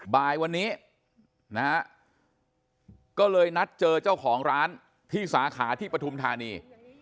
บ่ายวันนี้นะฮะก็เลยนัดเจอเจ้าของร้านที่สาขาที่ปฐุมธานี